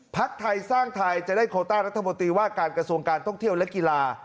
ไทยสร้างไทยจะได้โคต้ารัฐมนตรีว่าการกระทรวงการท่องเที่ยวและกีฬา